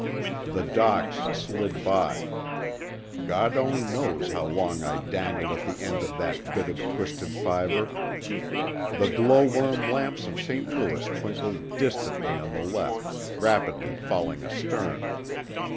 The docks slid by. God only knows how long I dangled at the end of that bit of twisted fiber. The glow worm lamps of St. Louis twinkled distantly on the left, rapidly falling astern.